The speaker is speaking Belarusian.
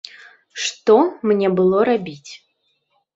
Што мне было рабіць?